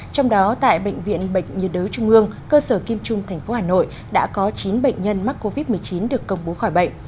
trong đó tại bệnh viện bệnh nhiệt đới trung ương cơ sở kim trung thành phố hà nội đã có chín bệnh nhân mắc covid một mươi chín được công bố khỏi bệnh